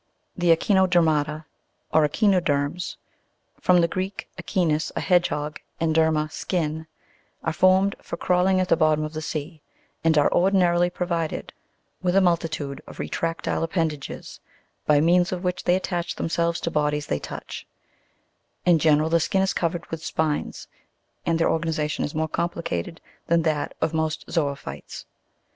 13. The ECHINODER'MATA or Echi'noderms (from the Greek, echinus, a hedge hog, and derma, skin) are formed for crawling at the bottom of the sea, and are ordinarily provided with a mul titude of retractile appendages, by means of which they attach themselves to bodies they touch ; in general the skin is covered with spines, and their organization is more complicated than that of most Zoophytes.